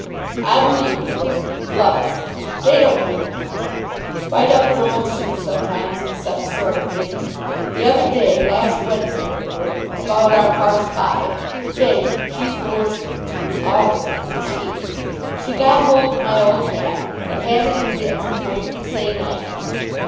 I believe you, but, love us! they don't do no harm! Bite up an old shoe sometimes and such sort of things. The other day, last Wednesday it were, about 'ar parse five, Jane she's the worst of the two, always up to it, she is she got hold of my old hat and had it in bits before you could say knife.